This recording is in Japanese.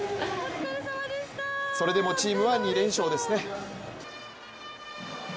それでもチームは２連勝です。